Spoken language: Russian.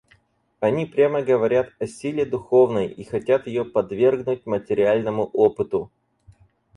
Они прямо говорят о силе духовной и хотят ее подвергнуть материальному опыту.